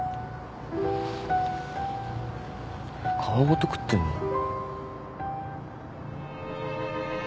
皮ごと食ってんの？